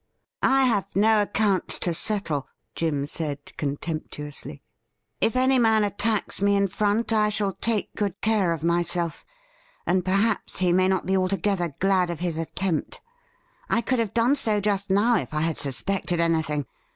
' I have no accounts to settle,' Jim said contemptuously. 308 THE RIDDLE RING ' If any man attacks me in front I shall take good care of myself, and perhaps he may not be altogether glad of his attempt. I could have done so just now if I had suspected anything.